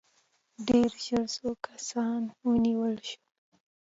ډېر ژر څو کسان ونیول شول.